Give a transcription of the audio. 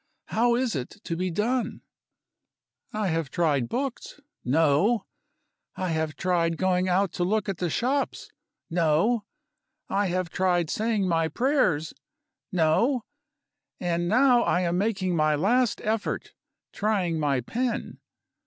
How is it to be done? I have tried books no! I have tried going out to look at the shops no! I have tried saying my prayers no! And now I am making my last effort; trying my pen.